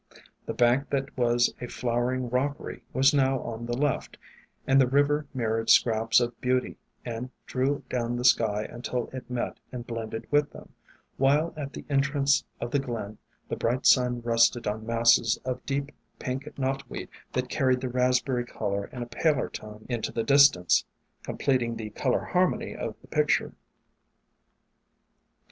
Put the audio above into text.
The bank that was a flower ing rockery was now on the left, and the river mir rored scraps of beauty and drew down the sky until it met and blended with them, while at the en trance of the Glen the bright sun rested on masses of deep Pink Knotweed that carried the Raspberry WAYFARERS color in a paler tone into the distance, completing the color harmony of the picture.